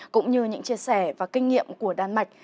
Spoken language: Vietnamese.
cũng như những chia sẻ và kinh nghiệm của đan mạch